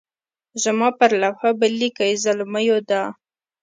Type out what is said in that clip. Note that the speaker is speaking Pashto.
زما پر لوحه به لیکئ زلمیو دا.